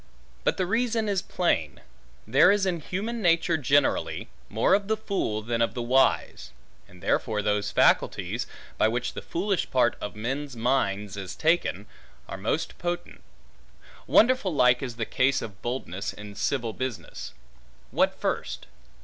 But the reason is plain. There is in human nature generally, more of the fool than of the wise; and therefore those faculties, by which the foolish part of men's minds is taken, are most potent. Wonderful like is the case of boldness in civil business: what first?